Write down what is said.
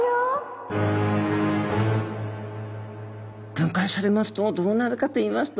分解されますとどうなるかといいますと。